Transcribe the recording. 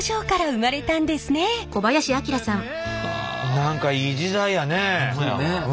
何かいい時代やね。